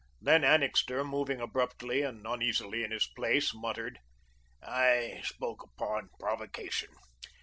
Then, Annixter, moving abruptly and uneasily in his place, muttered: "I spoke upon provocation.